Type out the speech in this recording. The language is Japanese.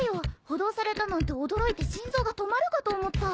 補導されたなんて驚いて心臓が止まるかと思った。